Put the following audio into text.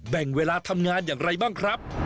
แบ่งเวลาทำงานอย่างไรบ้างครับ